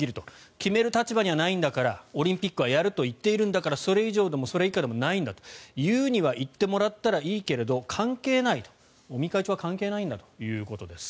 決める立場にはないんだからオリンピックはやるんだと言っているからそれ以上でもそれ以下でもないんだと言うには言ってもらったらいいけど尾身会長は関係ないんだということです。